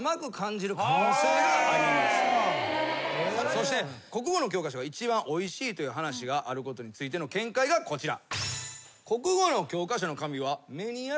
そして「国語の教科書が一番おいしい」という話があることについての見解がこちら。